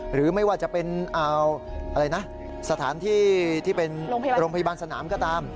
หรือไม่ว่าจะเป็นอะไรนะสถานที่ที่เป็นโรงพยาบาลสนามก็ตาม